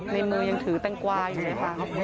ในมือยังถือแตงกวาอยู่เลยค่ะ